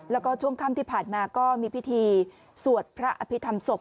แล้วก็ช่วงค่ำที่ผ่านมาก็มีพิธีสวดพระอภิษฐรรมศพ